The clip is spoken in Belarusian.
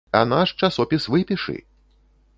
А наш часопіс выпішы!